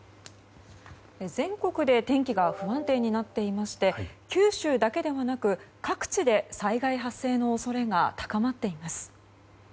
全国で天気が不安定になっていまして九州だけではなく各地で災害発生の恐れが高まっています。